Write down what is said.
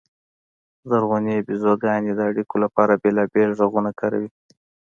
زرغونې بیزوګانې د اړیکو لپاره بېلابېل غږونه کاروي.